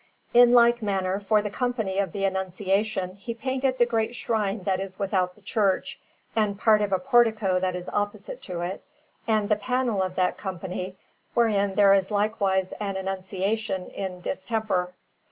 In like manner, for the Company of the Annunciation he painted the great shrine that is without the church, and part of a portico that is opposite to it, and the panel of that Company, wherein there is likewise an Annunciation in distemper.